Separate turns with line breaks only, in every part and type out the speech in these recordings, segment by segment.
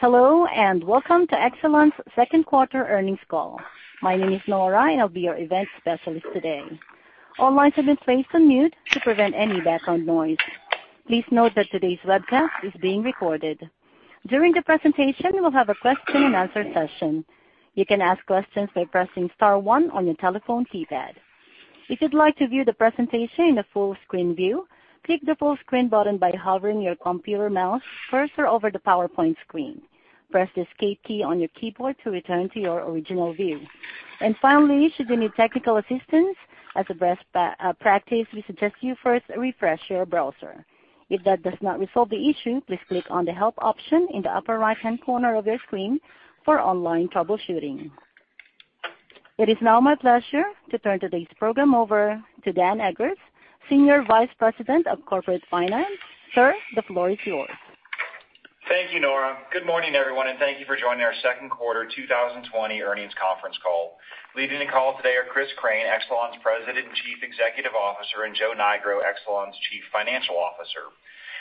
Hello, welcome to Exelon's second quarter earnings call. My name is Nora, and I'll be your event specialist today. All lines have been placed on mute to prevent any background noise. Please note that today's webcast is being recorded. During the presentation, we'll have a question and answer session. You can ask questions by pressing star one on your telephone keypad. If you'd like to view the presentation in the full-screen view, click the full-screen button by hovering your computer mouse cursor over the PowerPoint screen. Press the escape key on your keyboard to return to your original view. Finally, should you need technical assistance, as a best practice, we suggest you first refresh your browser. If that does not resolve the issue, please click on the help option in the upper right-hand corner of your screen for online troubleshooting. It is now my pleasure to turn today's program over to Dan Eggers, Senior Vice President of Corporate Finance. Sir, the floor is yours.
Thank you, Nora. Good morning, everyone, and thank you for joining our second quarter 2020 earnings conference call. Leading the call today are Chris Crane, Exelon's President and Chief Executive Officer, and Joe Nigro, Exelon's Chief Financial Officer.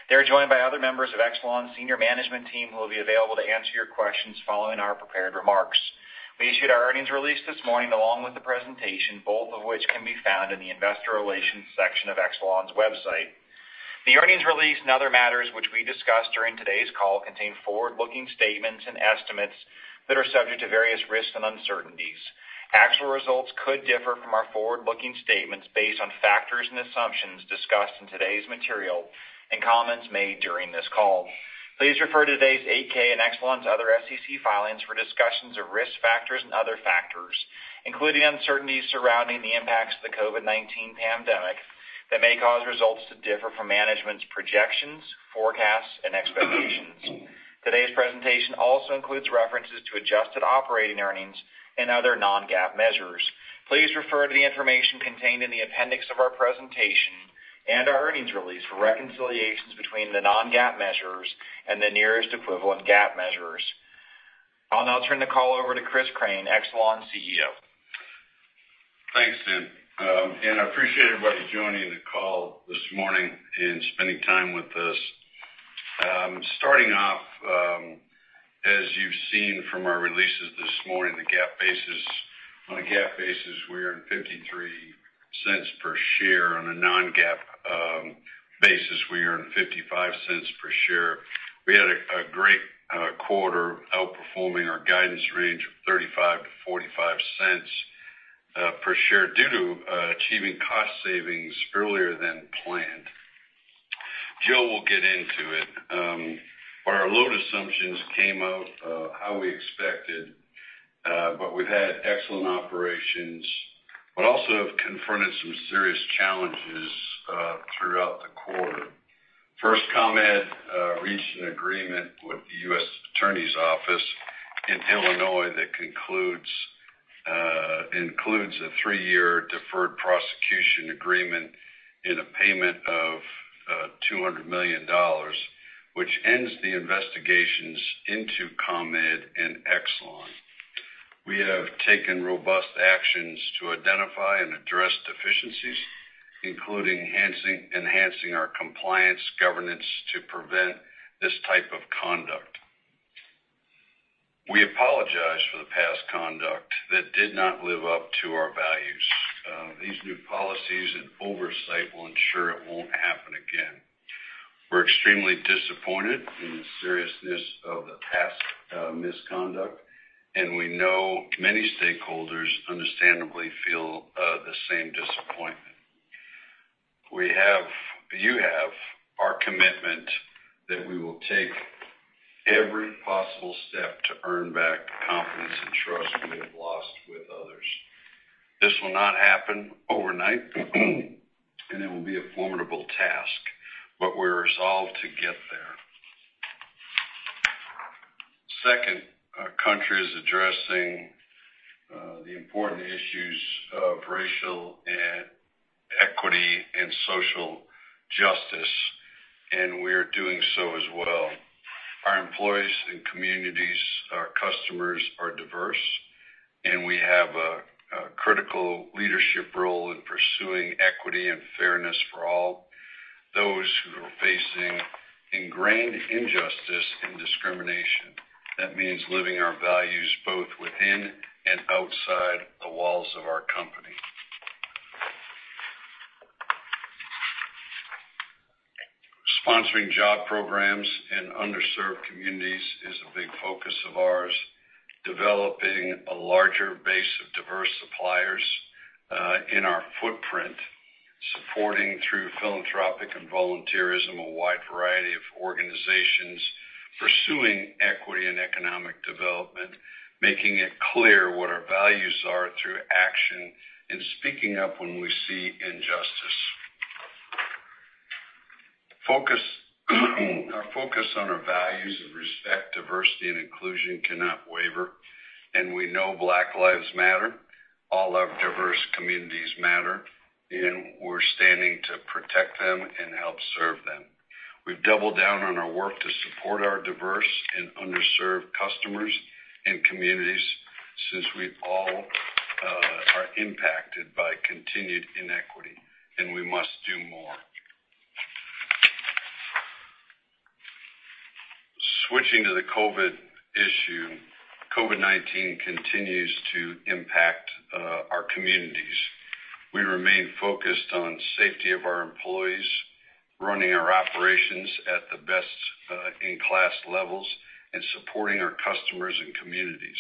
They're joined by other members of Exelon's senior management team who will be available to answer your questions following our prepared remarks. We issued our earnings release this morning along with the presentation, both of which can be found in the Investor Relations section of Exelon's website. The earnings release and other matters which we discussed during today's call contain forward-looking statements and estimates that are subject to various risks and uncertainties. Actual results could differ from our forward-looking statements based on factors and assumptions discussed in today's material and comments made during this call. Please refer to today's 8-K and Exelon's other SEC filings for discussions of risk factors and other factors, including uncertainties surrounding the impacts of the COVID-19 pandemic that may cause results to differ from management's projections, forecasts, and expectations. Today's presentation also includes references to adjusted operating earnings and other non-GAAP measures. Please refer to the information contained in the appendix of our presentation and our earnings release for reconciliations between the non-GAAP measures and the nearest equivalent GAAP measures. I'll now turn the call over to Chris Crane, Exelon's CEO.
Thanks, Dan. I appreciate everybody joining the call this morning and spending time with us. Starting off, as you've seen from our releases this morning, on a GAAP basis, we earned $0.53 per share. On a non-GAAP basis, we earned $0.55 per share. We had a great quarter outperforming our guidance range of $0.35-$0.45 per share due to achieving cost savings earlier than planned. Joe will get into it. Our load assumptions came out how we expected, but we've had excellent operations, but also have confronted some serious challenges throughout the quarter. First, ComEd reached an agreement with the U.S. Attorney's Office in Illinois that includes a three-year deferred prosecution agreement and a payment of $200 million, which ends the investigations into ComEd and Exelon. We have taken robust actions to identify and address deficiencies, including enhancing our compliance governance to prevent this type of conduct. We apologize for the past conduct that did not live up to our values. These new policies and oversight will ensure it won't happen again. We're extremely disappointed in the seriousness of the past misconduct, and we know many stakeholders understandably feel the same disappointment. You have our commitment that we will take every possible step to earn back the confidence and trust we have lost with others. This will not happen overnight, and it will be a formidable task, but we're resolved to get there. Second, our country is addressing the important issues of racial and equity and social justice, and we're doing so as well. Our employees and communities, our customers are diverse. We have a critical leadership role in pursuing equity and fairness for all those who are facing ingrained injustice and discrimination. That means living our values both within and outside the walls of our company. Sponsoring job programs in underserved communities is a big focus of ours. Developing a larger base of diverse suppliers in our footprint. Supporting through philanthropic and volunteerism a wide variety of organizations. Pursuing equity and economic development. Making it clear what our values are through action and speaking up when we see injustice. Our focus on our values of respect, diversity, and inclusion cannot waver. We know Black Lives Matter, all our diverse communities matter, and we're standing to protect them and help serve them. We've doubled down on our work to support our diverse and underserved customers and communities. Since we all are impacted by continued inequity, and we must do more. Switching to the COVID issue, COVID-19 continues to impact our communities. We remain focused on safety of our employees, running our operations at the best-in-class levels, and supporting our customers and communities.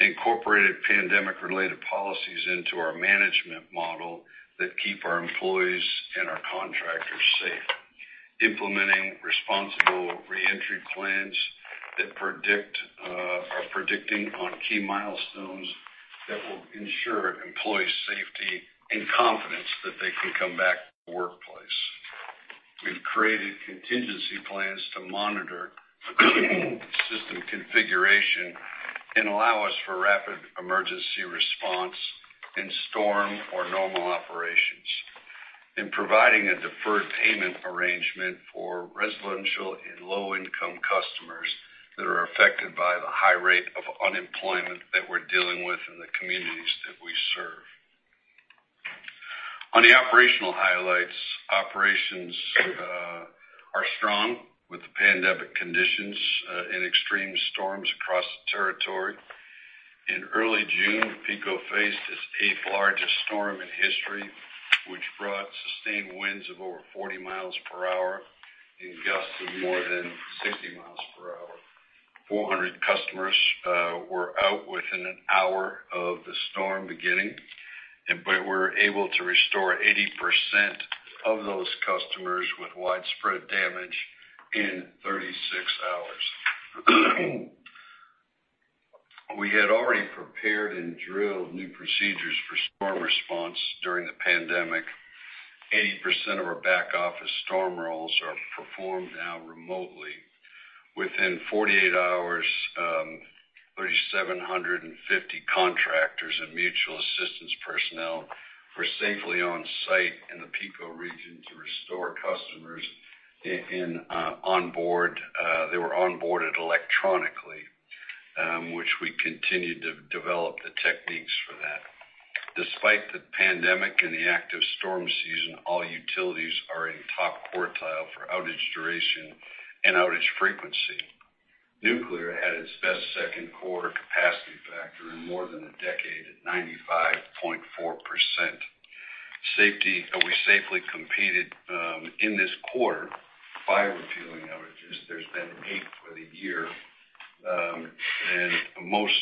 We've incorporated pandemic-related policies into our management model that keep our employees and our contractors safe. We're implementing responsible re-entry plans that are predicated on key milestones that will ensure employee safety and confidence that they can come back to the workplace. We've created contingency plans to monitor system configuration and allow us for rapid emergency response in storm or normal operations, and providing a deferred payment arrangement for residential and low-income customers that are affected by the high rate of unemployment that we're dealing with in the communities that we serve. On the operational highlights, operations are strong with the pandemic conditions in extreme storms across the territory. In early June, PECO faced its eighth largest storm in history, which brought sustained winds of over 40 mph and gusts of more than 60 mph. 400 customers were out within an hour of the storm beginning, we were able to restore 80% of those customers with widespread damage in 36 hours. We had already prepared and drilled new procedures for storm response during the pandemic. 80% of our back-office storm roles are performed now remotely. Within 48 hours, 3,750 contractors and mutual assistance personnel were safely on site in the PECO region to restore customers. They were onboarded electronically, which we continued to develop the techniques for that. Despite the pandemic and the active storm season, all utilities are in top quartile for outage duration and outage frequency. Nuclear had its best second quarter capacity factor in more than a decade at 95.4%. We safely completed in this quarter. Five refueling outages, there's been eight for the year, and most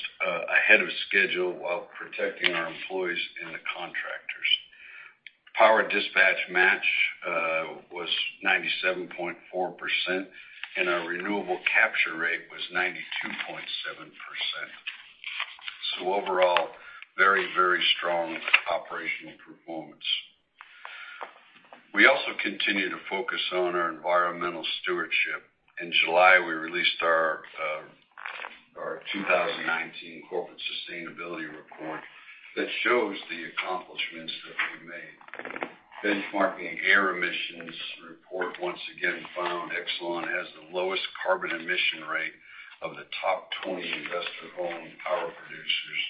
ahead of schedule while protecting our employees and the contractors. Power dispatch match was 97.4%, and our renewable capture rate was 92.7%. Overall, very strong operational performance. We also continue to focus on our environmental stewardship. In July, we released our 2019 corporate sustainability report that shows the accomplishments that we made. Benchmarking air emissions report once again found Exelon has the lowest carbon emission rate of the top 20 investor-owned power producers,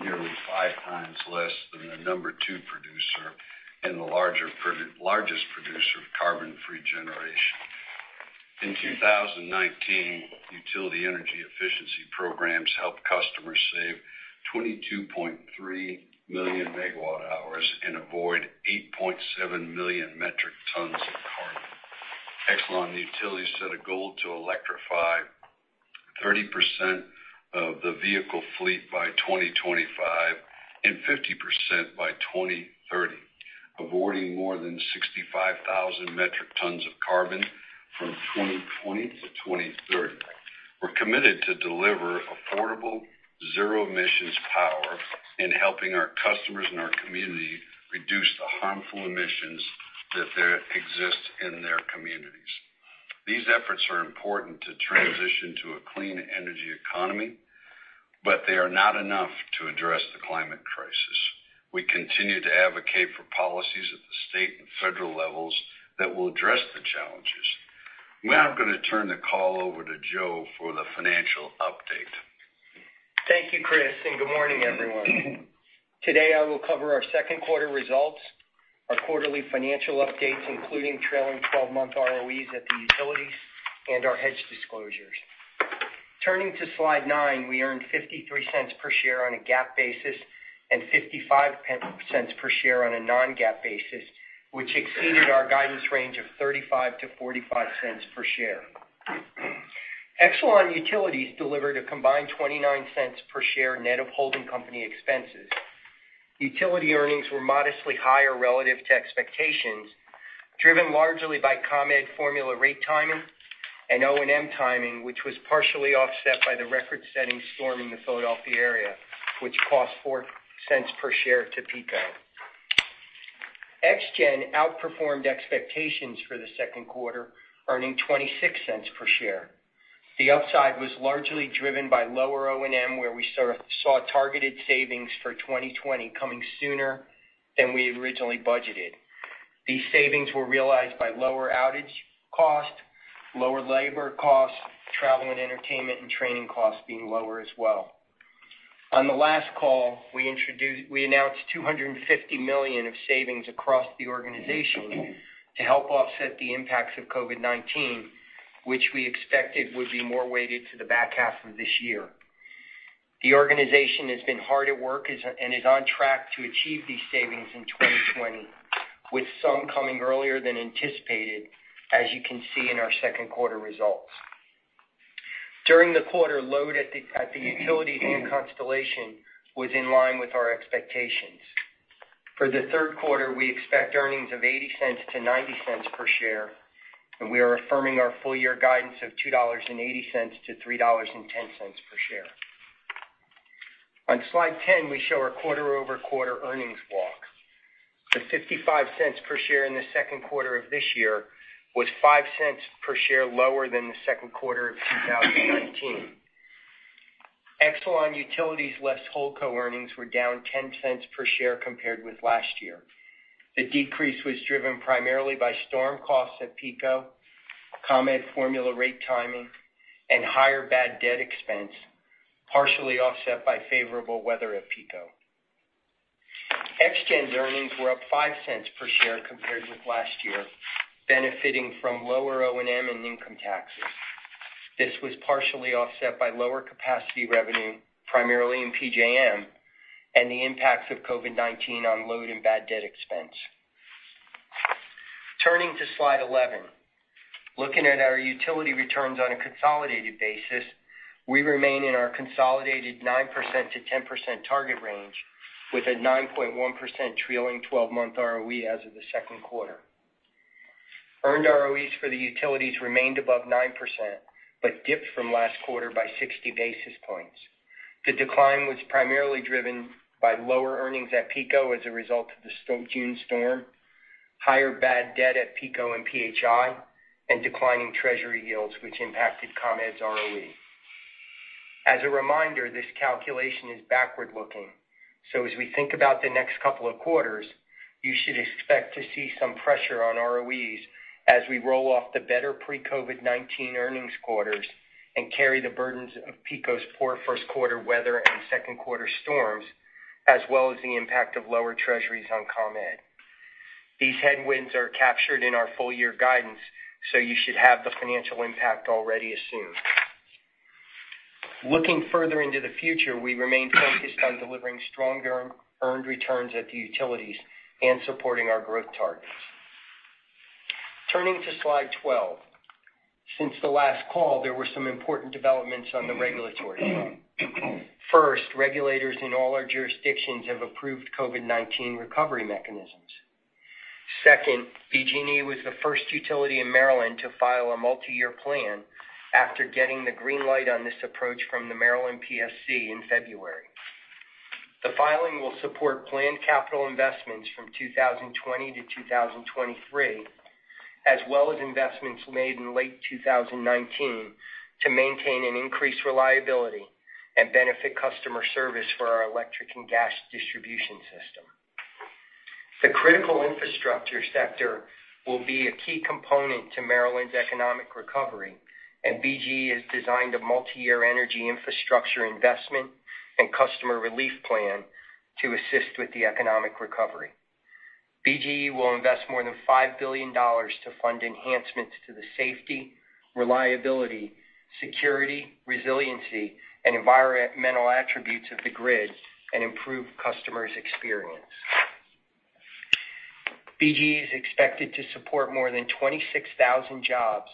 nearly five times less than the number two producer and the largest producer of carbon-free generation. In 2019, utility energy efficiency programs helped customers save 22.3 million MWh and avoid 8.7 million metric tons of carbon. Exelon Utilities set a goal to electrify 30% of the vehicle fleet by 2025 and 50% by 2030, avoiding more than 65,000 metric tons of carbon from 2020 to 2030. We're committed to deliver affordable zero-emissions power in helping our customers and our community reduce the harmful emissions that exist in their communities. These efforts are important to transition to a clean energy economy, they are not enough to address the climate crisis. We continue to advocate for policies at the state and federal levels that will address the challenges. I'm going to turn the call over to Joe for the financial update.
Thank you, Chris, and good morning, everyone. Today, I will cover our second quarter results, our quarterly financial updates, including trailing 12-month ROEs at the utilities, and our hedge disclosures. Turning to slide nine, we earned $0.53 per share on a GAAP basis and $0.55 per share on a non-GAAP basis, which exceeded our guidance range of $0.35-$0.45 per share. Exelon Utilities delivered a combined $0.29 per share net of holding company expenses. Utility earnings were modestly higher relative to expectations, driven largely by ComEd formula rate timing and O&M timing, which was partially offset by the record-setting storm in the Philadelphia area, which cost $0.04 per share to PECO. ExGen outperformed expectations for the second quarter, earning $0.26 per share. The upside was largely driven by lower O&M, where we saw targeted savings for 2020 coming sooner than we had originally budgeted. These savings were realized by lower outage costs, lower labor costs, travel and entertainment, and training costs being lower as well. On the last call, we announced $250 million of savings across the organization to help offset the impacts of COVID-19, which we expected would be more weighted to the back half of this year. The organization has been hard at work and is on track to achieve these savings in 2020, with some coming earlier than anticipated, as you can see in our second quarter results. During the quarter, load at the utilities and Constellation was in line with our expectations. For the third quarter, we expect earnings of $0.80 to $0.90 per share. We are affirming our full year guidance of $2.80 to $3.10 per share. On slide 10, we show our quarter-over-quarter earnings walk. The $0.55 per share in the second quarter of this year was $0.05 per share lower than the second quarter of 2019. Exelon Utilities less Holdco earnings were down $0.10 per share compared with last year. The decrease was driven primarily by storm costs at PECO, ComEd formula rate timing, and higher bad debt expense, partially offset by favorable weather at PECO. ExGen's earnings were up $0.05 per share compared with last year, benefiting from lower O&M and income taxes. This was partially offset by lower capacity revenue, primarily in PJM, and the impacts of COVID-19 on load and bad debt expense. Turning to slide 11. Looking at our utility returns on a consolidated basis, we remain in our consolidated 9%-10% target range with a 9.1% trailing 12-month ROE as of the second quarter. Earned ROEs for the utilities remained above 9%, dipped from last quarter by 60 basis points. The decline was primarily driven by lower earnings at PECO as a result of the June storm, higher bad debt at PECO and PHI, and declining treasury yields, which impacted ComEd's ROE. As a reminder, this calculation is backward-looking. As we think about the next couple of quarters, you should expect to see some pressure on ROEs as we roll off the better pre-COVID-19 earnings quarters and carry the burdens of PECO's poor first quarter weather and second quarter storms, as well as the impact of lower Treasuries on ComEd. These headwinds are captured in our full-year guidance, so you should have the financial impact already assumed. Looking further into the future, we remain focused on delivering strong earned returns at the utilities and supporting our growth targets. Turning to slide 12. Since the last call, there were some important developments on the regulatory front. First, regulators in all our jurisdictions have approved COVID-19 recovery mechanisms. Second, BGE was the first utility in Maryland to file a multi-year plan after getting the green light on this approach from the Maryland PSC in February. The filing will support planned capital investments from 2020 to 2023, as well as investments made in late 2019 to maintain an increased reliability and benefit customer service for our electric and gas distribution system. The critical infrastructure sector will be a key component to Maryland's economic recovery, and BGE has designed a multi-year energy infrastructure investment and customer relief plan to assist with the economic recovery. BGE will invest more than $5 billion to fund enhancements to the safety, reliability, security, resiliency, and environmental attributes of the grid, and improve customers' experience. BGE is expected to support more than 26,000 jobs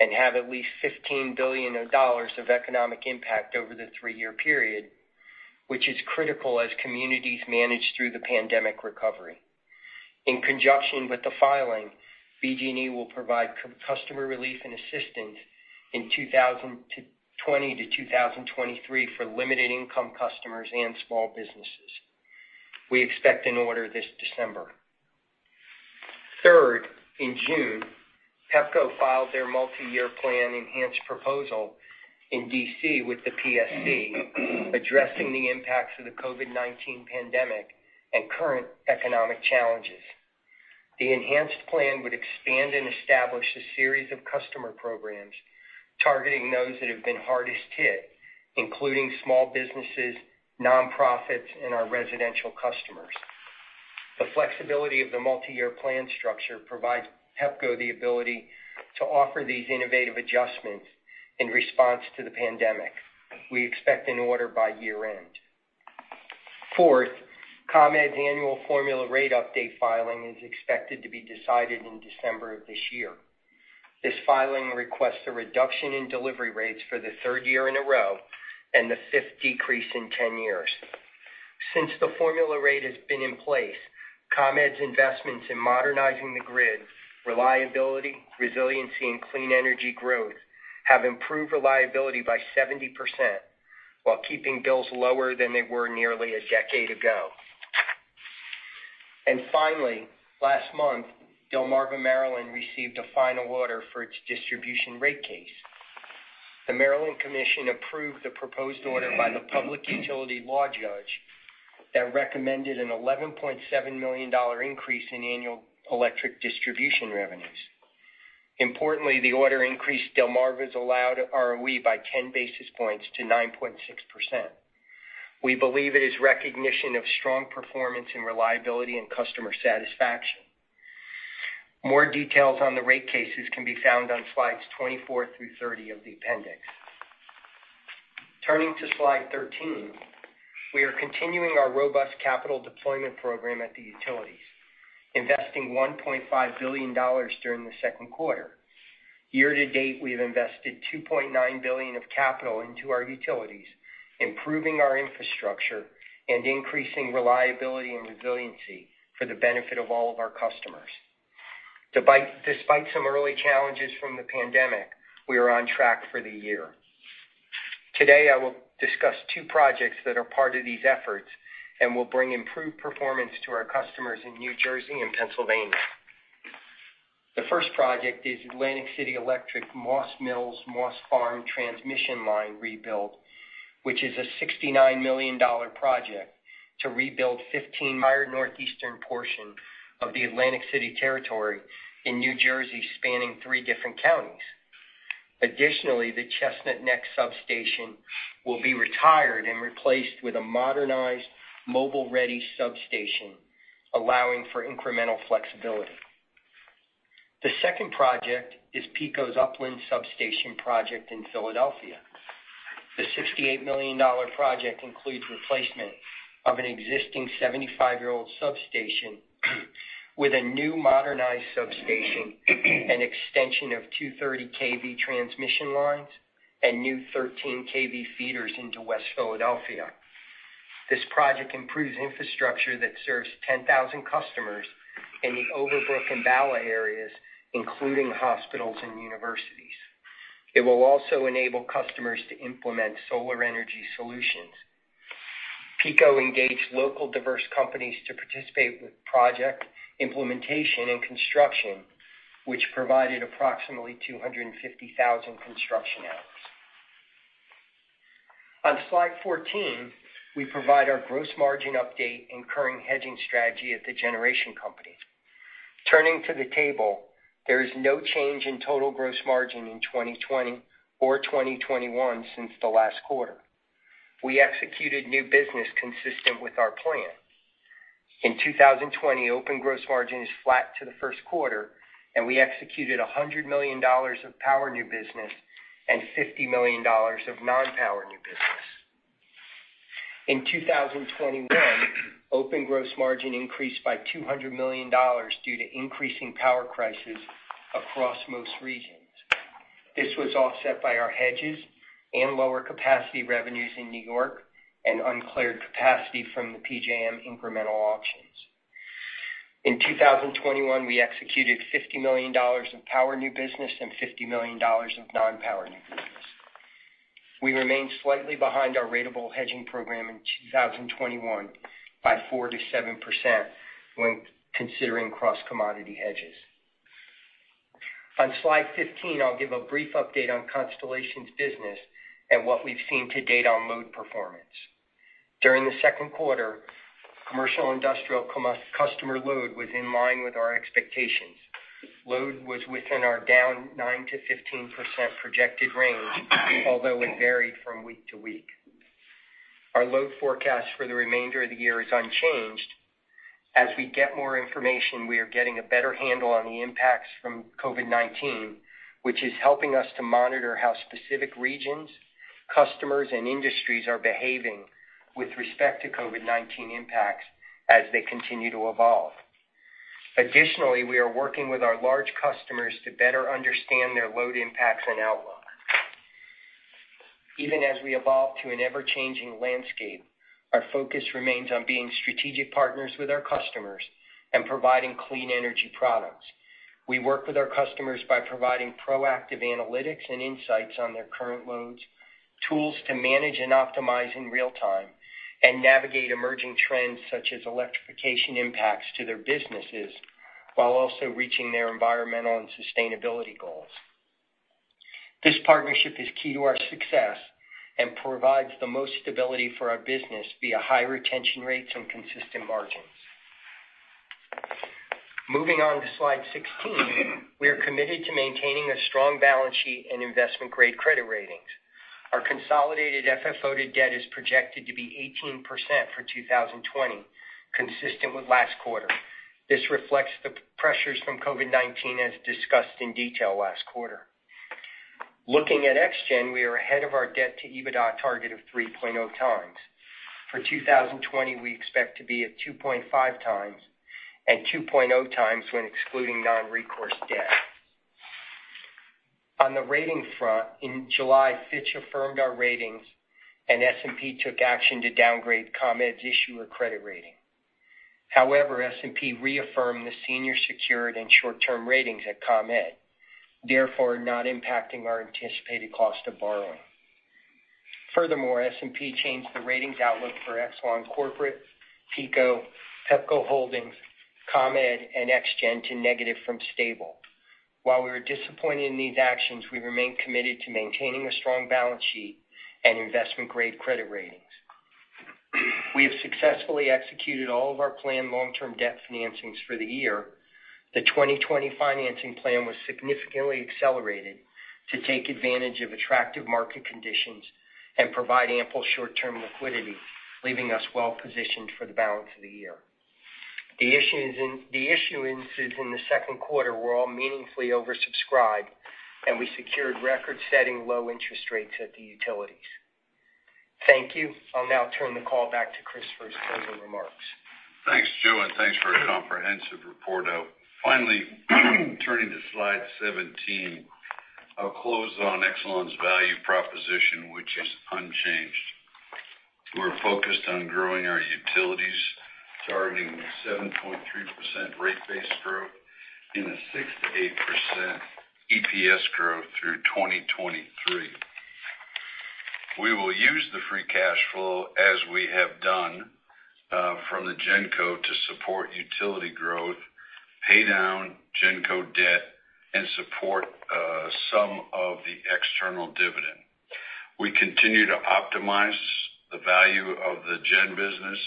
and have at least $15 billion of economic impact over the three-year period, which is critical as communities manage through the pandemic recovery. In conjunction with the filing, BGE will provide customer relief and assistance in 2020 to 2023 for limited income customers and small businesses. We expect an order this December. Third, in June, Pepco filed their multi-year plan enhanced proposal in D.C. with the PSC, addressing the impacts of the COVID-19 pandemic and current economic challenges. The enhanced plan would expand and establish a series of customer programs targeting those that have been hardest hit, including small businesses, nonprofits, and our residential customers. The flexibility of the multi-year plan structure provides Pepco the ability to offer these innovative adjustments in response to the pandemic. We expect an order by year-end. Fourth, ComEd's annual formula rate update filing is expected to be decided in December of this year. This filing requests a reduction in delivery rates for the third year in a row and the fifth decrease in 10 years. Since the formula rate has been in place, ComEd's investments in modernizing the grid, reliability, resiliency, and clean energy growth have improved reliability by 70% while keeping bills lower than they were nearly a decade ago. Finally, last month, Delmarva, Maryland received a final order for its distribution rate case. The Maryland Commission approved the proposed order by the Public Utility Law Judge that recommended an $11.7 million increase in annual electric distribution revenues. Importantly, the order increased Delmarva's allowed ROE by 10 basis points to 9.6%. We believe it is recognition of strong performance in reliability and customer satisfaction. More details on the rate cases can be found on slides 24 through 30 of the appendix. Turning to slide 13, we are continuing our robust capital deployment program at the utilities, investing $1.5 billion during the second quarter. Year-to-date, we have invested $2.9 billion of capital into our utilities, improving our infrastructure and increasing reliability and resiliency for the benefit of all of our customers. Despite some early challenges from the pandemic, we are on track for the year. Today, I will discuss two projects that are part of these efforts and will bring improved performance to our customers in New Jersey and Pennsylvania. The first project is Atlantic City Electric, Moss Mill, Motts Farm transmission line rebuild, which is a $69 million project to rebuild 15 mi northeastern portion of the Atlantic City territory in New Jersey, spanning three different counties. Additionally, the Chestnut Neck substation will be retired and replaced with a modernized mobile-ready substation, allowing for incremental flexibility. The second project is PECO's Upland Substation project in Philadelphia. The $68 million project includes replacement of an existing 75-year-old substation with a new modernized substation, an extension of two 30 kV transmission lines, and new 13 kV feeders into West Philadelphia. This project improves infrastructure that serves 10,000 customers in the Overbrook and Bala areas, including hospitals and universities. It will also enable customers to implement solar energy solutions. PECO engaged local diverse companies to participate with project implementation and construction, which provided approximately 250,000 construction hours. On slide 14, we provide our gross margin update and current hedging strategy at the generation company. Turning to the table, there is no change in total gross margin in 2020 or 2021 since the last quarter. We executed new business consistent with our plan. In 2020, open gross margin is flat to the first quarter, and we executed $100 million of power new business and $50 million of non-power new business. In 2021, open gross margin increased by $200 million due to increasing power prices across most regions. This was offset by our hedges and lower capacity revenues in New York and uncleared capacity from the PJM incremental auctions. In 2021, we executed $50 million of power new business and $50 million of non-power new business. We remain slightly behind our ratable hedging program in 2021 by 4%-7% when considering cross-commodity hedges. On slide 15, I'll give a brief update on Constellation's business and what we've seen to date on load performance. During the second quarter, commercial industrial customer load was in line with our expectations. Load was within our down 9%-15% projected range, although it varied from week to week. Our load forecast for the remainder of the year is unchanged. As we get more information, we are getting a better handle on the impacts from COVID-19, which is helping us to monitor how specific regions, customers, and industries are behaving with respect to COVID-19 impacts as they continue to evolve. Additionally, we are working with our large customers to better understand their load impacts and outlook. Even as we evolve to an ever-changing landscape, our focus remains on being strategic partners with our customers and providing clean energy products. We work with our customers by providing proactive analytics and insights on their current loads, tools to manage and optimize in real-time, and navigate emerging trends such as electrification impacts to their businesses while also reaching their environmental and sustainability goals. This partnership is key to our success and provides the most stability for our business via high retention rates and consistent margins. Moving on to slide 16, we are committed to maintaining a strong balance sheet and investment-grade credit ratings. Our consolidated FFO to debt is projected to be 18% for 2020, consistent with last quarter. This reflects the pressures from COVID-19, as discussed in detail last quarter. Looking at ExGen, we are ahead of our debt-to-EBITDA target of 3.0x. For 2020, we expect to be at 2.5x, and 2.0x when excluding non-recourse debt. On the rating front, in July, Fitch affirmed our ratings, and S&P took action to downgrade ComEd's issuer credit rating. However, S&P reaffirmed the senior secured and short-term ratings at ComEd, therefore not impacting our anticipated cost of borrowing. Furthermore, S&P changed the ratings outlook for Exelon Corporate, PECO, Pepco Holdings, ComEd, and ExGen to negative from stable. While we were disappointed in these actions, we remain committed to maintaining a strong balance sheet and investment-grade credit ratings. We have successfully executed all of our planned long-term debt financings for the year. The 2020 financing plan was significantly accelerated to take advantage of attractive market conditions and provide ample short-term liquidity, leaving us well-positioned for the balance of the year. The issuances in the second quarter were all meaningfully oversubscribed, and we secured record-setting low interest rates at the utilities. Thank you. I'll now turn the call back to Chris for his closing remarks.
Thanks, Joe, and thanks for a comprehensive report out. Turning to slide 17. I'll close on Exelon's value proposition, which is unchanged. We're focused on growing our utilities, targeting a 7.3% rate base growth and a 6%-8% EPS growth through 2023. We will use the free cash flow as we have done from the GenCo to support utility growth, pay down GenCo debt, and support some of the external dividend. We continue to optimize the value of the Gen business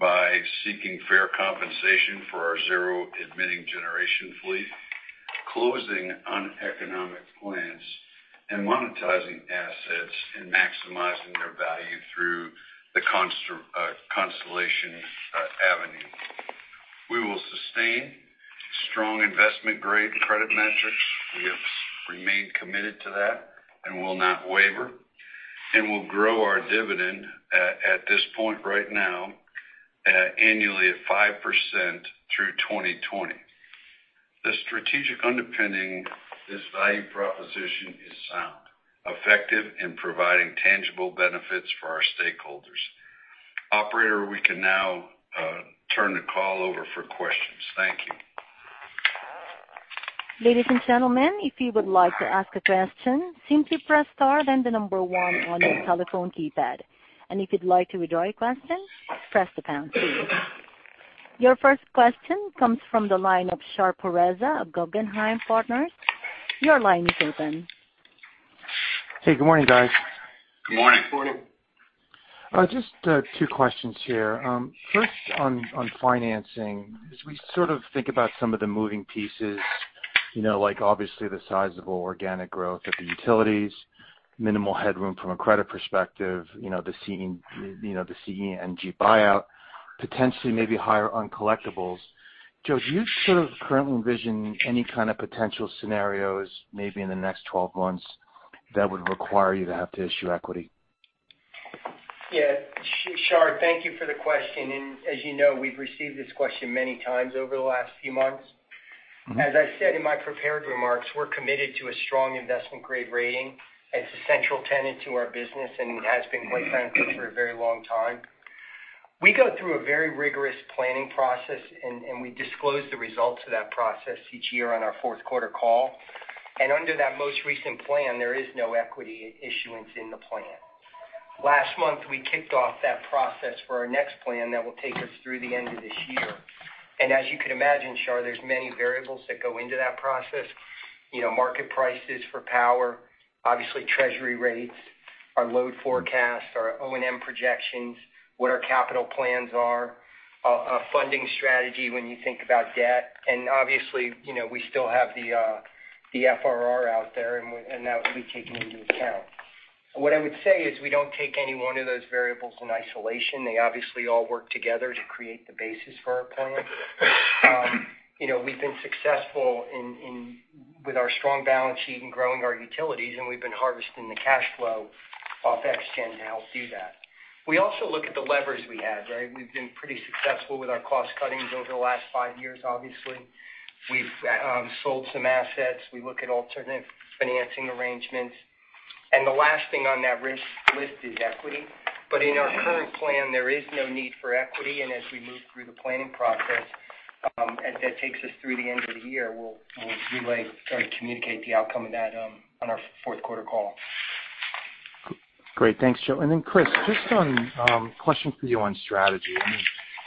by seeking fair compensation for our zero-emitting generation fleet, closing uneconomic plants, and monetizing assets and maximizing their value through the Constellation avenue. We will sustain strong investment-grade credit metrics. We have remained committed to that and will not waver, and we'll grow our dividend at this point right now, annually at 5% through 2020. The strategic underpinning this value proposition is sound, effective, and providing tangible benefits for our stakeholders. Operator, we can now turn the call over for questions. Thank you.
Ladies and gentlemen, if you would like to ask a question, simply press star then the number one on your telephone keypad. If you'd like to withdraw your question, press the pound key. Your first question comes from the line of Shar Pourreza of Guggenheim Partners. Your line is open.
Hey, good morning, guys.
Good morning.
Good morning.
Just two questions here. First, on financing, as we sort of think about some of the moving pieces, like obviously the sizable organic growth of the utilities, minimal headroom from a credit perspective, the CEG buyout potentially may be higher on collectibles. Joe, do you sort of currently envision any kind of potential scenarios, maybe in the next 12 months, that would require you to have to issue equity?
Yeah. Shar, thank you for the question. As you know, we've received this question many times over the last few months. As I said in my prepared remarks, we're committed to a strong investment-grade rating. It's a central tenet to our business, and it has been quite frankly, for a very long time. We go through a very rigorous planning process, and we disclose the results of that process each year on our fourth quarter call. Under that most recent plan, there is no equity issuance in the plan. Last month, we kicked off that process for our next plan that will take us through the end of this year. As you can imagine, Shar, there's many variables that go into that process. Market prices for power, obviously treasury rates, our load forecasts, our O&M projections, what our capital plans are, our funding strategy when you think about debt, and obviously, we still have the FRR out there, and that will be taken into account. What I would say is we don't take any one of those variables in isolation. They obviously all work together to create the basis for our plan. We've been successful with our strong balance sheet in growing our utilities, and we've been harvesting the cash flow off ExGen to help do that. We also look at the levers we have, right? We've been pretty successful with our cost cuttings over the last five years, obviously. We've sold some assets. We look at alternate financing arrangements. The last thing on that list is equity. In our current plan, there is no need for equity, and as we move through the planning process, as that takes us through the end of the year, we'll relay or communicate the outcome of that on our fourth quarter call.
Great. Thanks, Joe. Chris, just a question for you on strategy.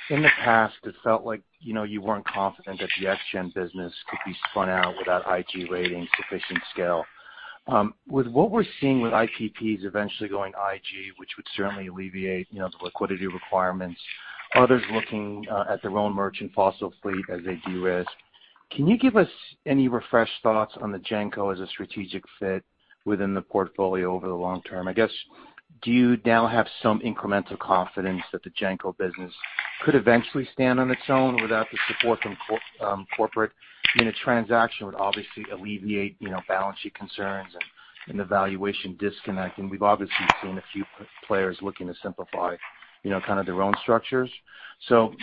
In the past, it felt like you weren't confident that the ExGen business could be spun out without IG rating sufficient scale. With what we're seeing with IPPs eventually going IG, which would certainly alleviate the liquidity requirements, others looking at their own merchant fossil fleet as they de-risk. Can you give us any refresh thoughts on the GenCo as a strategic fit within the portfolio over the long term? I guess, do you now have some incremental confidence that the GenCo business could eventually stand on its own without the support from corporate? A transaction would obviously alleviate balance sheet concerns and the valuation disconnect. We've obviously seen a few players looking to simplify their own structures.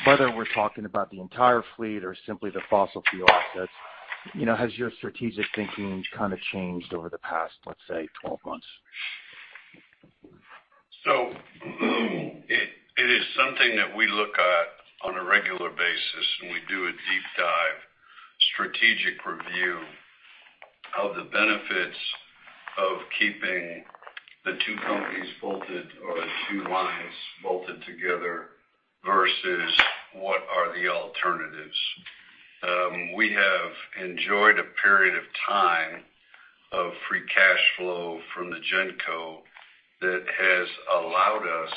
Whether we're talking about the entire fleet or simply the fossil fuel assets, has your strategic thinking kind of changed over the past, let's say, 12 months?
One thing that we look at on a regular basis, we do a deep dive strategic review of the benefits of keeping the two companies bolted, or the two lines bolted together, versus what are the alternatives. We have enjoyed a period of time of free cash flow from the GenCo that has allowed us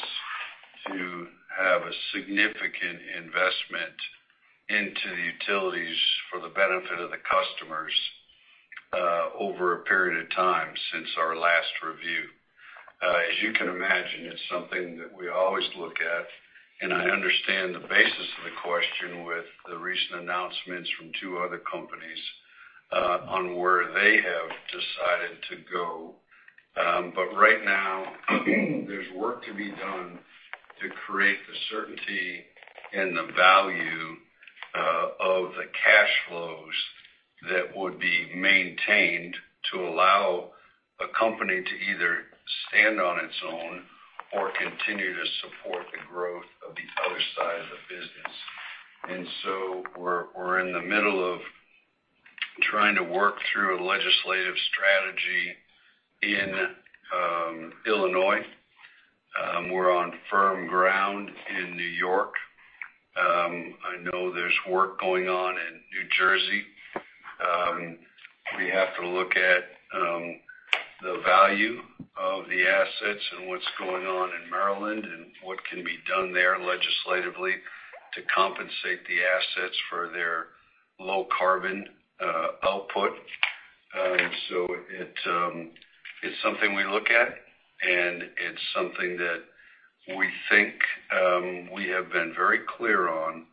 to have a significant investment into the utilities for the benefit of the customers over a period of time since our last review. As you can imagine, it's something that we always look at, and I understand the basis of the question with the recent announcements from two other companies on where they have decided to go. Right now, there's work to be done to create the certainty and the value of the cash flows that would be maintained to allow a company to either stand on its own or continue to support the growth of the other side of the business. We're in the middle of trying to work through a legislative strategy in Illinois. We're on firm ground in New York. I know there's work going on in New Jersey. We have to look at the value of the assets and what's going on in Maryland and what can be done there legislatively to compensate the assets for their low carbon output. It's something we look at, and it's something that we think we have been very clear on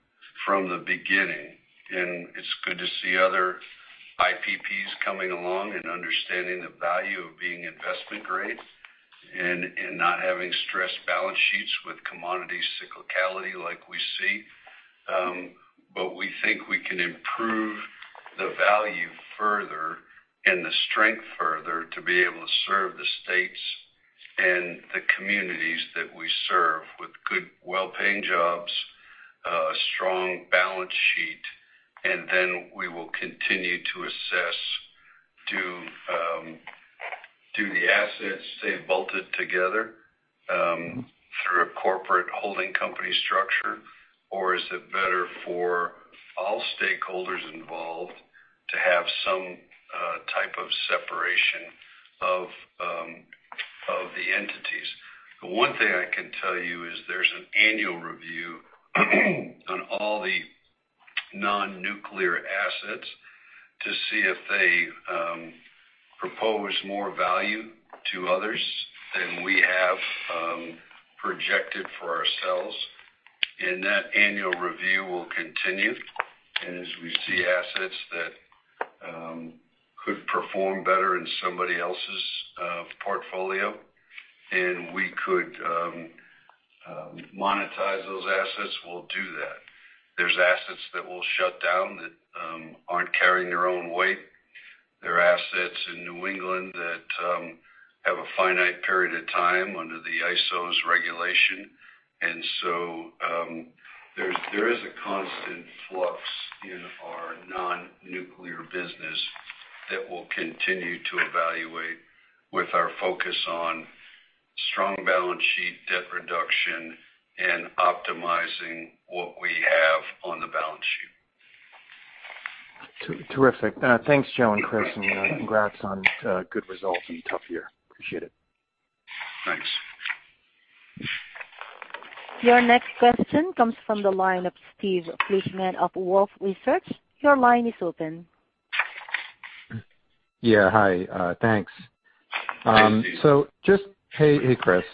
from the beginning, and it's good to see other IPPs coming along and understanding the value of being investment-grade and not having stressed balance sheets with commodity cyclicality like we see. We think we can improve the value further and the strength further to be able to serve the states and the communities that we serve with good, well-paying jobs, a strong balance sheet, and then we will continue to assess, do the assets stay bolted together through a corporate holding company structure, or is it better for all stakeholders involved to have some type of separation of the entities? The one thing I can tell you is there's an annual review on all the non-nuclear assets to see if they propose more value to others than we have projected for ourselves. That annual review will continue. As we see assets that could perform better in somebody else's portfolio, and we could monetize those assets, we'll do that. There's assets that we'll shut down that aren't carrying their own weight. There are assets in New England that have a finite period of time under the ISO's regulation. There is a constant flux in our non-nuclear business that we'll continue to evaluate with our focus on strong balance sheet debt reduction and optimizing what we have on the balance sheet.
Terrific. Thanks, Joe and Chris, and congrats on good results in a tough year. Appreciate it.
Thanks.
Your next question comes from the line of Steve Fleishman of Wolfe Research. Your line is open.
Yeah. Hi, thanks.
Hi, Steve.
Just, hey, Chris.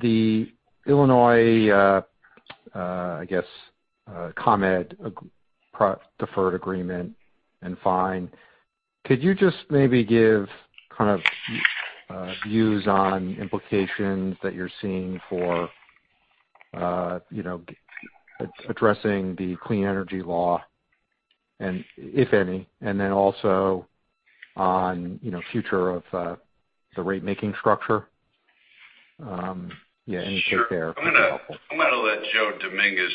The Illinois, I guess ComEd deferred agreement and fine, could you just maybe give kind of views on implications that you're seeing for addressing the clean energy law, and if any, and then also on future of the rate-making structure? Yeah, any take there would be helpful.
Sure. I'm going to let Joe Dominguez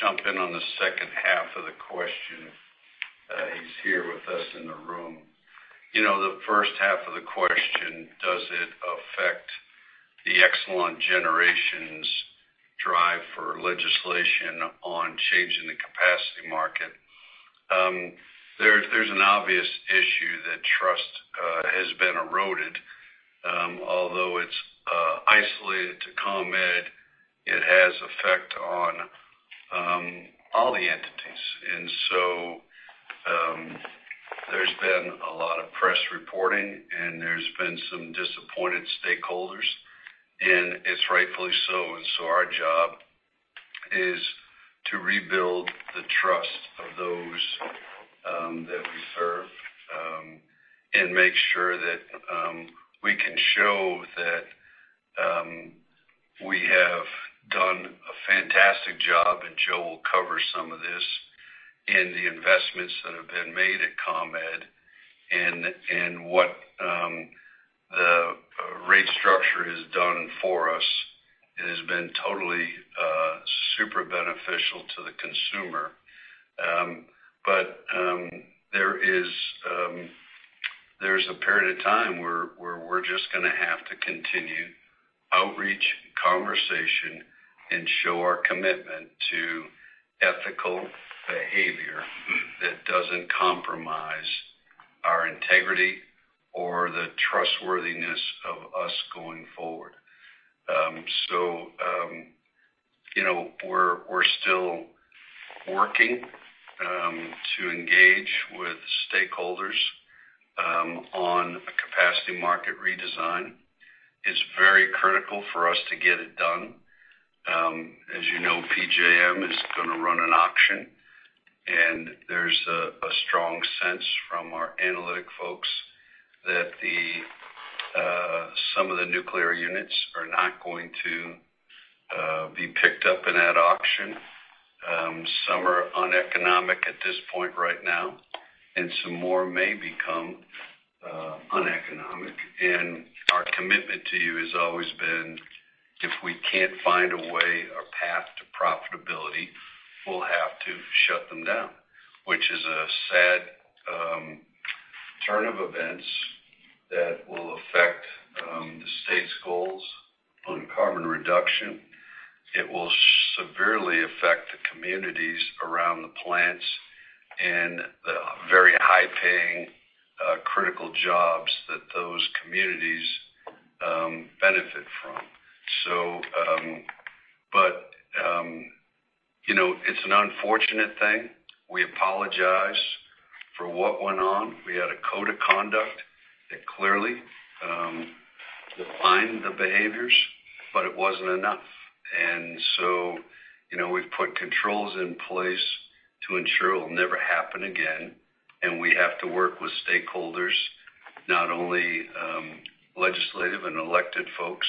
jump in on the second half of the question. He's here with us in the room. The first half of the question, does it affect the Exelon Generation drive for legislation on changing the capacity market? There's an obvious issue that trust has been eroded. Although it's isolated to ComEd, it has effect on all the entities. There's been a lot of press reporting, there's been some disappointed stakeholders, it's rightfully so. Our job is to rebuild the trust of those that we serve and make sure that Joe will cover some of this in the investments that have been made at ComEd and what the rate structure has done for us. It has been totally super beneficial to the consumer. There is a period of time where we're just going to have to continue outreach, conversation, and show our commitment to ethical behavior that doesn't compromise our integrity or the trustworthiness of us going forward. We're still working to engage with stakeholders on a capacity market redesign. It's very critical for us to get it done. As you know, PJM is going to run an auction, and there's a strong sense from our analytic folks that some of the nuclear units are not going to be picked up in that auction. Some are uneconomic at this point right now, and some more may become uneconomic. Our commitment to you has always been, if we can't find a way or path to profitability, we'll have to shut them down, which is a sad turn of events that will affect the state's goals on carbon reduction. It will severely affect the communities around the plants and the very high-paying critical jobs that those communities benefit from. It's an unfortunate thing. We apologize for what went on. We had a code of conduct that clearly defined the behaviors, but it wasn't enough. We've put controls in place to ensure it will never happen again, and we have to work with stakeholders, not only legislative and elected folks,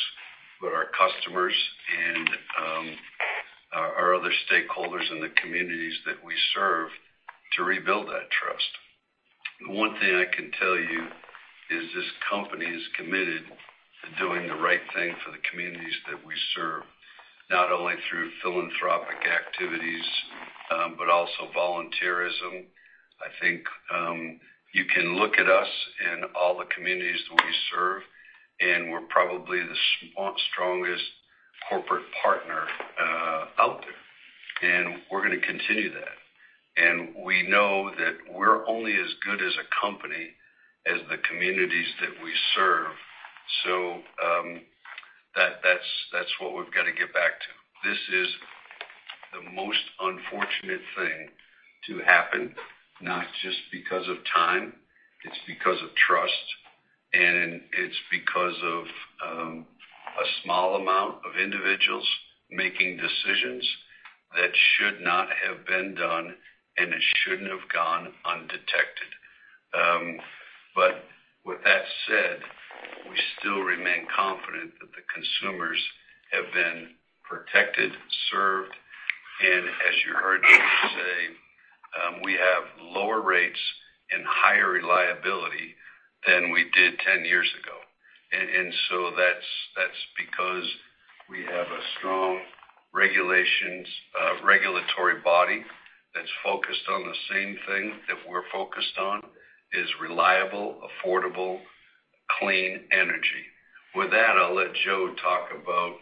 but our customers and our other stakeholders in the communities that we serve to rebuild that trust. The one thing I can tell you is this company is committed to doing the right thing for the communities that we serve, not only through philanthropic activities but also volunteerism. I think you can look at us in all the communities that we serve, and we're probably the strongest corporate partner out there, and we're going to continue that. We know that we're only as good as a company as the communities that we serve. That's what we've got to get back to. This is the most unfortunate thing to happen, not just because of time. It's because of trust, and it's because of a small amount of individuals making decisions that should not have been done, and it shouldn't have gone undetected. With that said, we still remain confident that the consumers have been protected, served, and as you heard me say, we have lower rates and higher reliability than we did 10 years ago. That's because we have a strong regulatory body that's focused on the same thing that we're focused on, is reliable, affordable, clean energy. With that, I'll let Joe talk about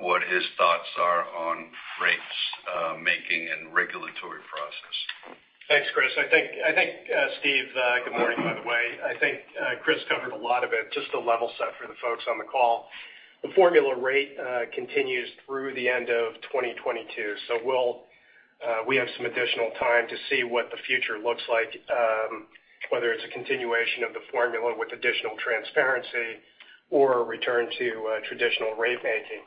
what his thoughts are on rates making and regulatory process.
Thanks, Chris. Steve, good morning, by the way. I think Chris covered a lot of it. Just to level set for the folks on the call. The formula rate continues through the end of 2022. We have some additional time to see what the future looks like, whether it's a continuation of the formula with additional transparency or a return to traditional rate making.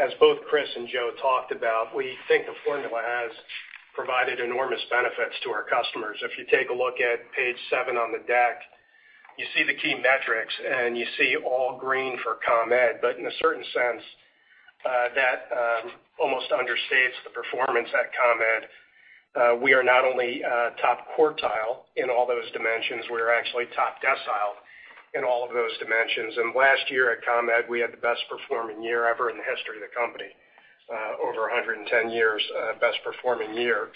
As both Chris and Joe talked about, we think the formula has provided enormous benefits to our customers. If you take a look at page seven on the deck, you see the key metrics, and you see all green for ComEd. In a certain sense, that almost understates the performance at ComEd. We are not only top quartile in all those dimensions. We are actually top decile in all of those dimensions. Last year at ComEd, we had the best-performing year ever in the history of the company, over 110 years, best performing year.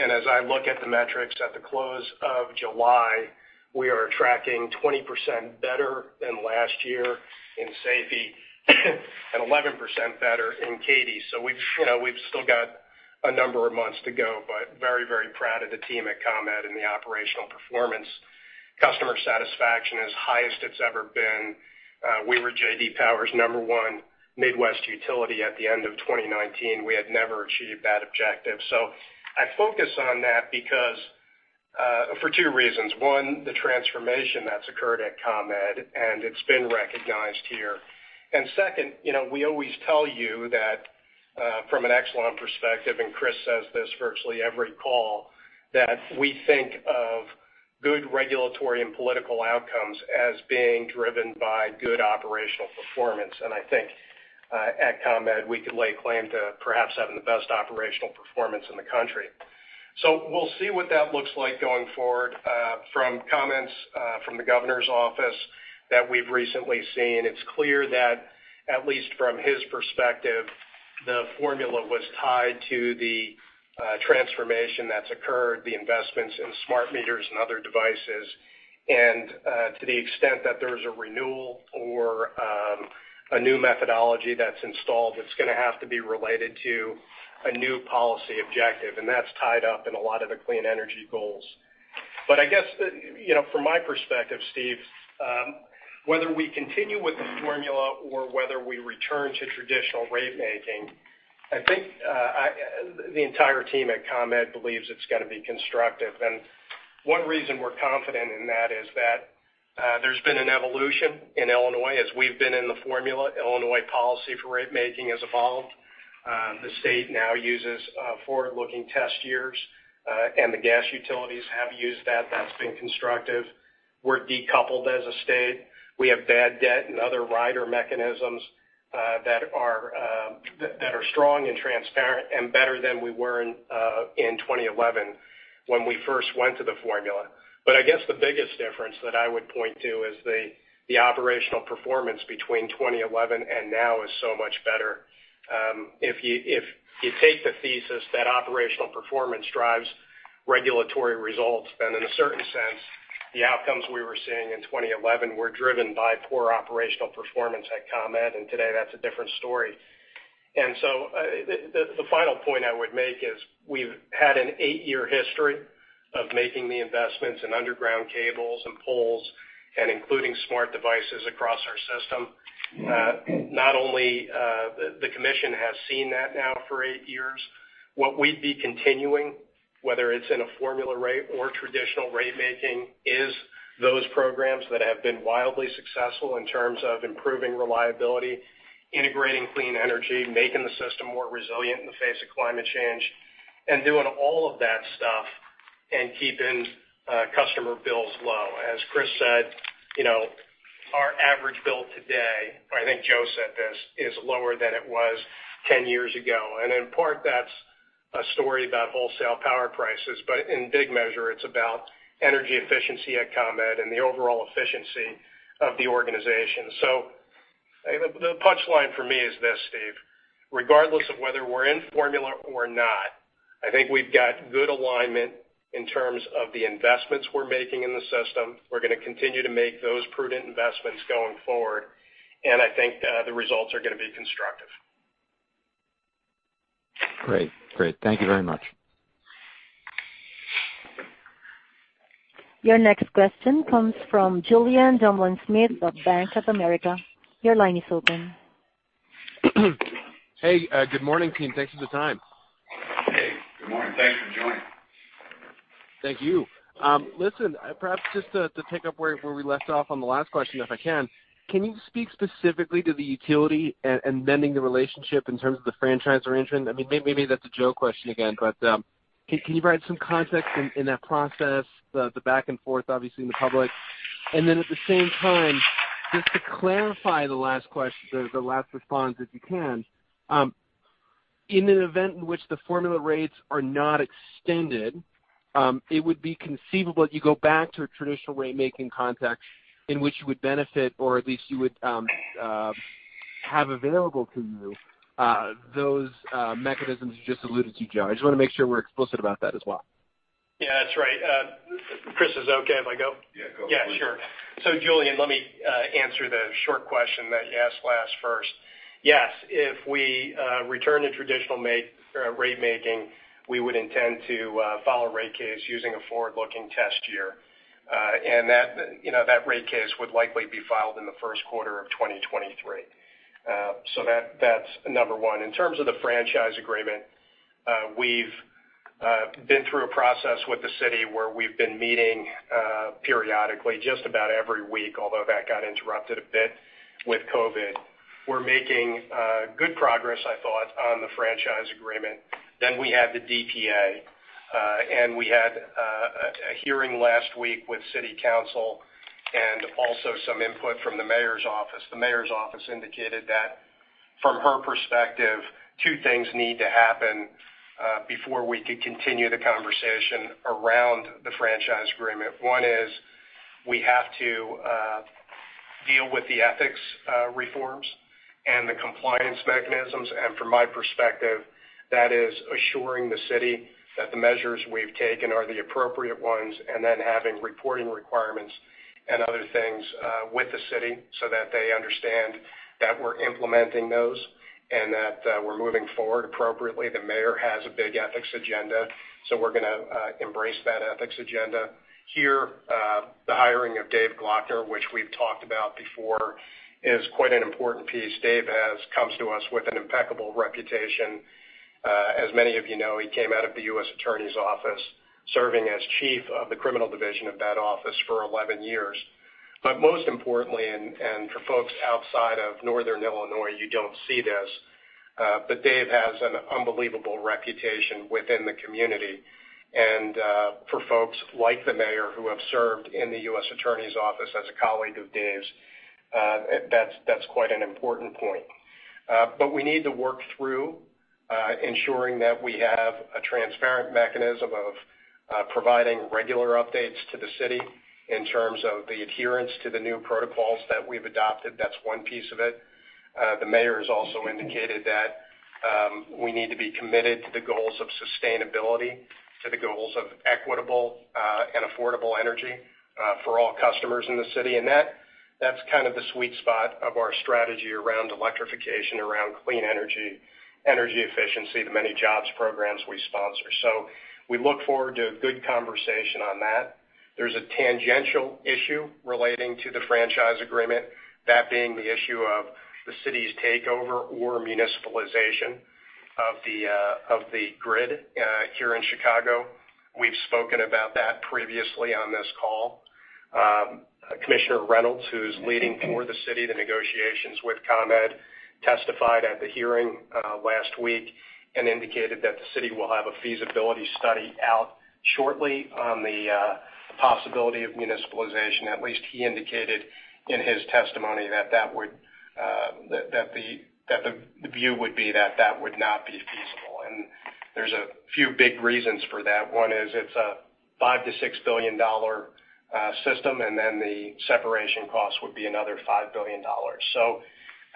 As I look at the metrics at the close of July, we are tracking 20% better than last year in safety and 11% better in CAIDI. We've still got a number of months to go, but very proud of the team at ComEd and the operational performance. Customer satisfaction is highest it's ever been. We were J.D. Power's number one Midwest utility at the end of 2019. We had never achieved that objective. I focus on that for two reasons. One, the transformation that's occurred at ComEd, and it's been recognized here. Second, we always tell you that from an Exelon perspective, and Chris says this virtually every call, that we think of good regulatory and political outcomes as being driven by good operational performance. I think at ComEd, we could lay claim to perhaps having the best operational performance in the country. We'll see what that looks like going forward. From comments from the governor's office that we've recently seen, it's clear that at least from his perspective, the formula was tied to the transformation that's occurred, the investments in smart meters and other devices. To the extent that there's a renewal or a new methodology that's installed, it's going to have to be related to a new policy objective, and that's tied up in a lot of the clean energy goals. I guess from my perspective, Steve, whether we continue with the formula or whether we return to traditional rate making, I think the entire team at ComEd believes it's got to be constructive. One reason we're confident in that is that there's been an evolution in Illinois as we've been in the formula. Illinois policy for rate making has evolved. The state now uses forward-looking test years, and the gas utilities have used that. That's been constructive. We're decoupled as a state. We have bad debt and other rider mechanisms that are strong and transparent and better than we were in 2011 when we first went to the formula. I guess the biggest difference that I would point to is the operational performance between 2011 and now is so much better. If you take the thesis that operational performance drives regulatory results, then in a certain sense, the outcomes we were seeing in 2011 were driven by poor operational performance at ComEd, and today that's a different story. The final point I would make is we've had an eight-year history of making the investments in underground cables and poles and including smart devices across our system. Not only the commission has seen that now for eight years. What we'd be continuing, whether it's in a formula rate or traditional rate making, is those programs that have been wildly successful in terms of improving reliability, integrating clean energy, making the system more resilient in the face of climate change, and doing all of that stuff and keeping customer bills low. As Chris said, our average bill today, I think Joe said this, is lower than it was 10 years ago. In part, that's a story about wholesale power prices. In big measure, it's about energy efficiency at ComEd and the overall efficiency of the organization. The punchline for me is this, Steve. Regardless of whether we're in formula or not, I think we've got good alignment in terms of the investments we're making in the system. We're going to continue to make those prudent investments going forward, and I think the results are going to be constructive.
Great. Thank you very much.
Your next question comes from Julien Dumoulin-Smith of Bank of America. Your line is open.
Hey, good morning, team. Thanks for the time.
Hey. Good morning. Thanks for joining.
Thank you. Listen, perhaps just to take up where we left off on the last question, if I can. Can you speak specifically to the utility and mending the relationship in terms of the franchise arrangement? Maybe that's a Joe question again. Can you provide some context in that process, the back and forth, obviously, in the public? At the same time, just to clarify the last response, if you can. In an event in which the formula rates are not extended, it would be conceivable that you go back to a traditional rate-making context in which you would benefit, or at least you would have available to you those mechanisms you just alluded to, Joe. I just want to make sure we're explicit about that as well.
Yeah, that's right. Chris, is it okay if I go?
Yeah, go.
Yeah, sure. Julien, let me answer the short question that you asked last, first. Yes, if we return to traditional rate making, we would intend to file a rate case using a forward-looking test year. That rate case would likely be filed in the first quarter of 2023. That's number one. In terms of the franchise agreement, we've been through a process with the city where we've been meeting periodically just about every week, although that got interrupted a bit with COVID. We're making good progress, I thought, on the franchise agreement. We had the DPA, and we had a hearing last week with city council and also some input from the mayor's office. The mayor's office indicated that from her perspective, two things need to happen before we could continue the conversation around the franchise agreement. One is we have to deal with the ethics reforms and the compliance mechanisms. From my perspective, that is assuring the City that the measures we've taken are the appropriate ones, and then having reporting requirements and other things with the City so that they understand that we're implementing those and that we're moving forward appropriately. The mayor has a big ethics agenda, we're going to embrace that ethics agenda. Here, the hiring of Dave Glockner, which we've talked about before, is quite an important piece. Dave comes to us with an impeccable reputation. As many of you know, he came out of the U.S. Attorney's Office, serving as chief of the criminal division of that office for 11 years. Most importantly, and for folks outside of Northern Illinois, you don't see this. Dave has an unbelievable reputation within the community. For folks like the mayor who have served in the U.S. Attorney's Office as a colleague of Dave's, that's quite an important point. We need to work through ensuring that we have a transparent mechanism of providing regular updates to the city in terms of the adherence to the new protocols that we've adopted. That's one piece of it. The mayor has also indicated that we need to be committed to the goals of sustainability, to the goals of equitable and affordable energy for all customers in the city. That's kind of the sweet spot of our strategy around electrification, around clean energy efficiency, the many jobs programs we sponsor. We look forward to a good conversation on that. There's a tangential issue relating to the franchise agreement, that being the issue of the city's takeover or municipalization of the grid here in Chicago. We've spoken about that previously on this call. Commissioner Reynolds, who's leading for the city, the negotiations with ComEd, testified at the hearing last week and indicated that the city will have a feasibility study out shortly on the possibility of municipalization. At least he indicated in his testimony that the view would be that that would not be feasible. There's a few big reasons for that. One is it's a $5 billion-$6 billion system, and then the separation cost would be another $5 billion.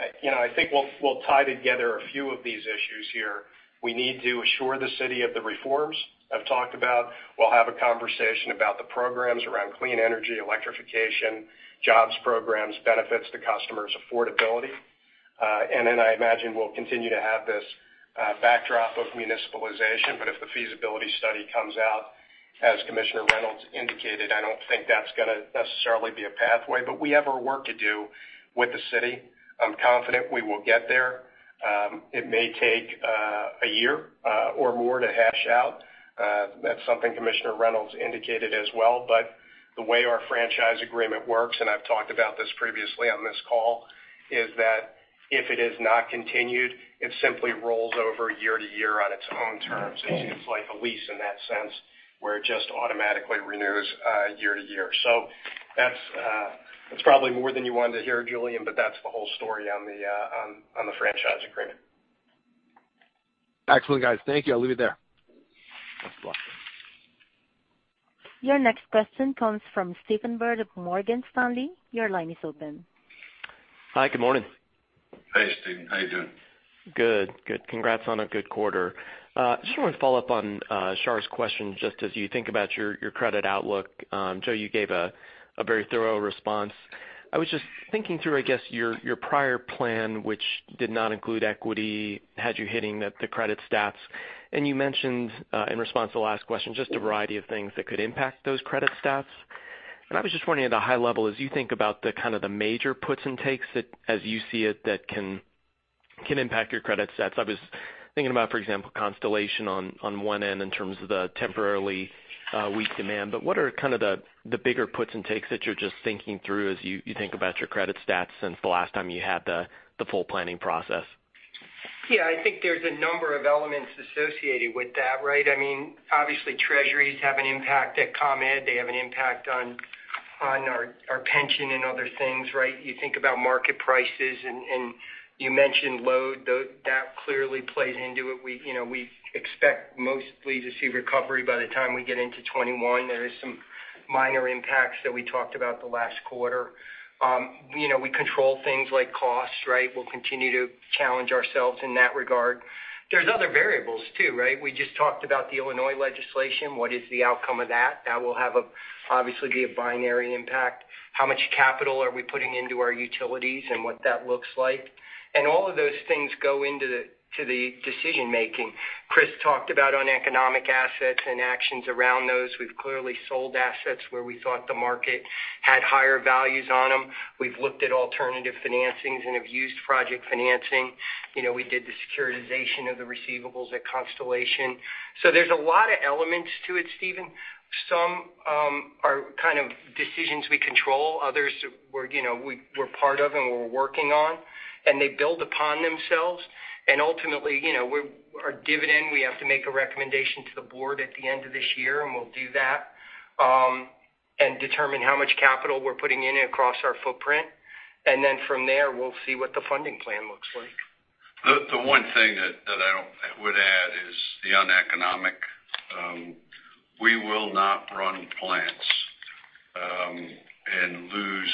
I think we'll tie together a few of these issues here. We need to assure the city of the reforms I've talked about. We'll have a conversation about the programs around clean energy, electrification, jobs programs, benefits to customers, affordability. I imagine we'll continue to have this backdrop of municipalization. If the feasibility study comes out as Commissioner Reynolds indicated, I don't think that's going to necessarily be a pathway. We have our work to do with the city. I'm confident we will get there. It may take a year or more to hash out. That's something Commissioner Reynolds indicated as well. The way our franchise agreement works, and I've talked about this previously on this call, is that if it is not continued, it simply rolls over year to year on its own terms. It's like a lease in that sense, where it just automatically renews year to year. That's probably more than you wanted to hear, Julien, but that's the whole story on the franchise agreement.
Excellent, guys. Thank you. I'll leave it there.
Your next question comes from Stephen Byrd of Morgan Stanley. Your line is open.
Hi, good morning.
Hey, Stephen. How are you doing?
Good. Congrats on a good quarter. Want to follow up on Shar's question, just as you think about your credit outlook. Joe, you gave a very thorough response. Your prior plan, which did not include equity, had you hitting the credit stats, and you mentioned in response to the last question, just a variety of things that could impact those credit stats. As you think about the kind of the major puts and takes that as you see it, that can impact your credit stats. I was thinking about, for example, Constellation on one end in terms of the temporarily weak demand. What are kind of the bigger puts and takes that you're just thinking through as you think about your credit stats since the last time you had the full planning process?
Yeah, I think there's a number of elements associated with that, right? Obviously, Treasuries have an impact at ComEd. They have an impact on our pension and other things, right? You think about market prices, and you mentioned load. That clearly plays into it. We expect mostly to see recovery by the time we get into 2021. There is some minor impacts that we talked about the last quarter. We control things like costs, right? We'll continue to challenge ourselves in that regard. There's other variables too, right? We just talked about the Illinois legislation. What is the outcome of that? That will obviously be a binary impact. How much capital are we putting into our utilities and what that looks like? All of those things go into the decision-making. Chris talked about uneconomic assets and actions around those. We've clearly sold assets where we thought the market had higher values on them. We've looked at alternative financings and have used project financing. We did the securitization of the receivables at Constellation. There's a lot of elements to it, Stephen. Some are kind of decisions we control, others we're part of and we're working on, and they build upon themselves. Ultimately, our dividend, we have to make a recommendation to the board at the end of this year, and we'll do that, and determine how much capital we're putting in across our footprint. From there, we'll see what the funding plan looks like.
The one thing that I would add is the uneconomic. We will not run plants and lose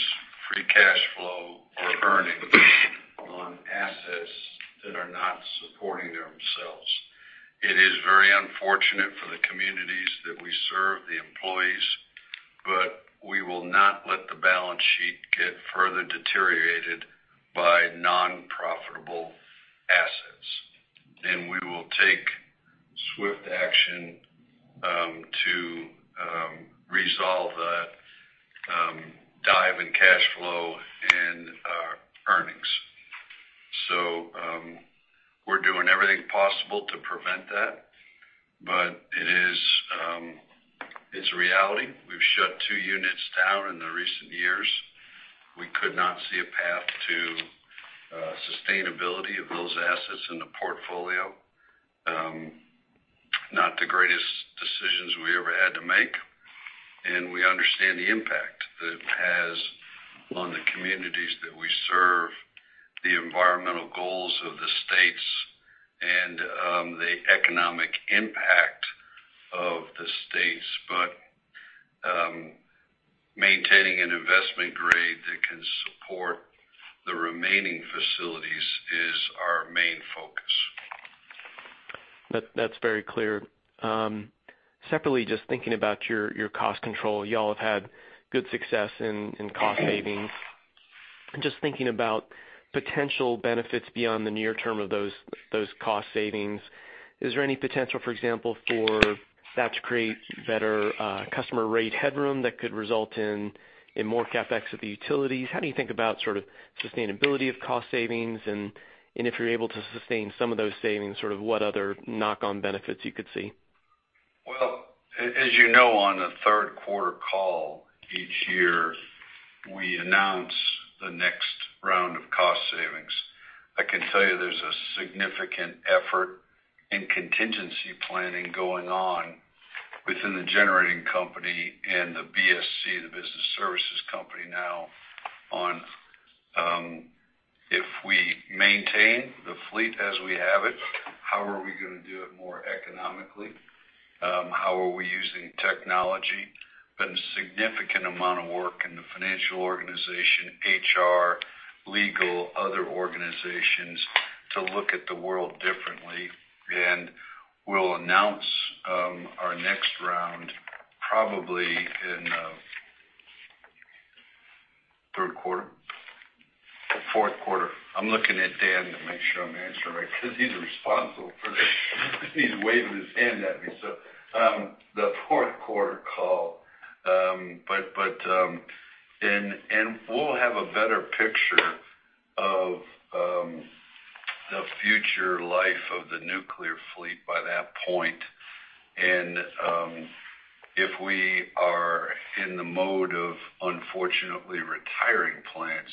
free cash flow or earnings on assets that are not supporting themselves. It is very unfortunate for the communities that we serve, the employees, but we will not let the balance sheet get further deteriorated by non-profitable assets. We will take swift action to resolve that dive in cash flow and our earnings. We're doing everything possible to prevent that. It's a reality. We've shut two units down in the recent years. We could not see a path to sustainability of those assets in the portfolio. Not the greatest decisions we ever had to make, and we understand the impact that it has on the communities that we serve, the environmental goals of the states, and the economic impact of the states. Maintaining an investment grade that can support the remaining facilities is our main focus.
That's very clear. Separately, just thinking about your cost control, y'all have had good success in cost savings. Just thinking about potential benefits beyond the near term of those cost savings, is there any potential, for example, for that to create better customer rate headroom that could result in more CapEx at the utilities? How do you think about sort of sustainability of cost savings? If you're able to sustain some of those savings, sort of what other knock-on benefits you could see?
As you know, on the third quarter call each year, we announce the next round of cost savings. I can tell you there's a significant effort in contingency planning going on within the generating company and the BSC, the Business Services Company now, on if we maintain the fleet as we have it, how are we going to do it more economically? How are we using technology? There has been a significant amount of work in the financial organization, HR, legal, other organizations to look at the world differently. We'll announce our next round probably in third quarter. Fourth quarter. I'm looking at Dan to make sure I'm answering right because he's responsible for this. He's waving his hand at me. The fourth quarter call. We'll have a better picture of the future life of the nuclear fleet by that point. If we are in the mode of, unfortunately, retiring plants,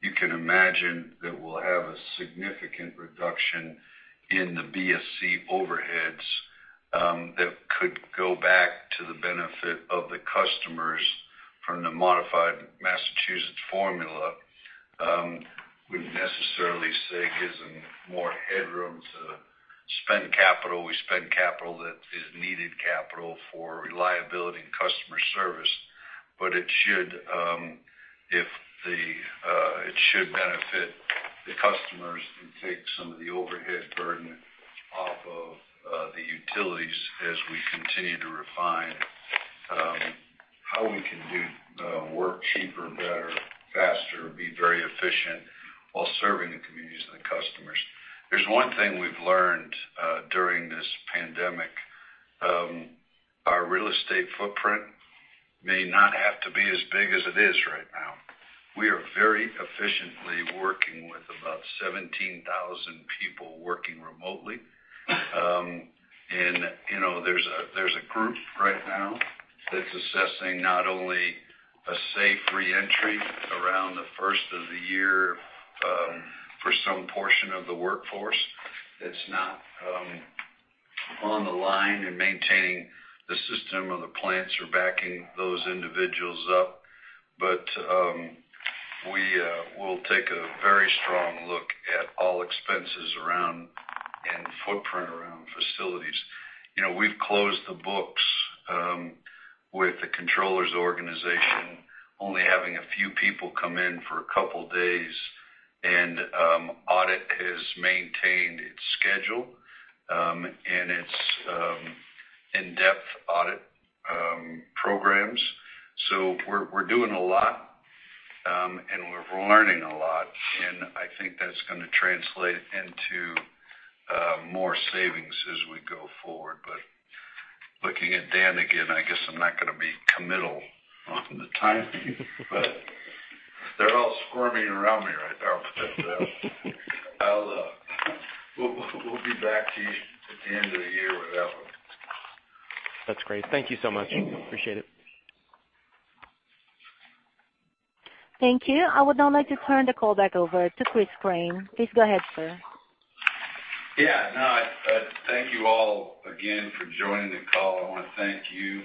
you can imagine that we'll have a significant reduction in the BSC overheads that could go back to the benefit of the customers from the modified Massachusetts formula. Wouldn't necessarily say gives them more headroom to spend capital. We spend capital that is needed capital for reliability and customer service. It should benefit the customers and take some of the overhead burden off of the utilities as we continue to refine how we can do work cheaper, better, faster, be very efficient while serving the communities and the customers. There's one thing we've learned during this pandemic. Our real estate footprint may not have to be as big as it is right now. We are very efficiently working with about 17,000 people working remotely. There's a group right now that's assessing not only a safe re-entry around the first of the year for some portion of the workforce that's not on the line in maintaining the system or the plants or backing those individuals up. We'll take a very strong look at all expenses around and footprint around facilities. We've closed the books with the controllers organization, only having a few people come in for a couple days, and audit has maintained its schedule and its in-depth audit programs. We're doing a lot, and we're learning a lot, and I think that's going to translate into more savings as we go forward. Looking at Dan again, I guess I'm not going to be committal on the timing. They're all squirming around me right there. I'll put that. We'll be back to you at the end of the year with that one.
That's great. Thank you so much. Appreciate it.
Thank you. I would now like to turn the call back over to Chris Crane. Please go ahead, sir.
Yeah. Thank you all again for joining the call. I want to thank you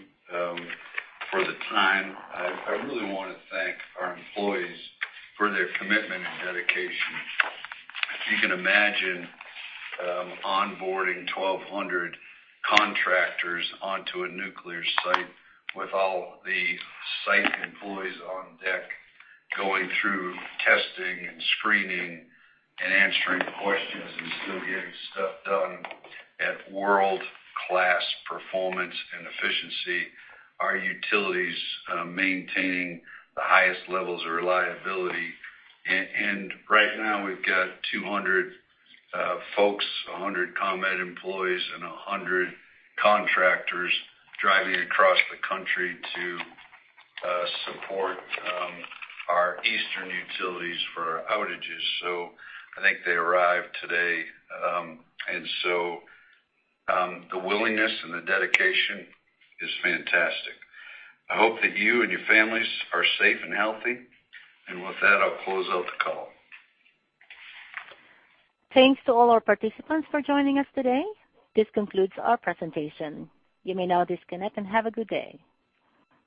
for the time. I really want to thank our employees for their commitment and dedication. If you can imagine onboarding 1,200 contractors onto a nuclear site with all the site employees on deck going through testing and screening and answering questions and still getting stuff done at world-class performance and efficiency, our utilities maintaining the highest levels of reliability. Right now, we've got 200 folks, 100 ComEd employees and 100 contractors driving across the country to support our eastern utilities for outages. I think they arrive today. The willingness and the dedication is fantastic. I hope that you and your families are safe and healthy. With that, I'll close out the call.
Thanks to all our participants for joining us today. This concludes our presentation. You may now disconnect, and have a good day.